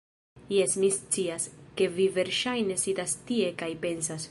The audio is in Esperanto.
Jes, mi scias, ke vi verŝajne sidas tie kaj pensas